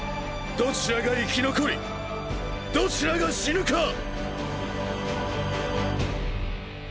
どちらが生き残りどちらが死ぬか。